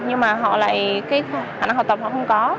nhưng mà họ lại cái khả năng học tập họ không có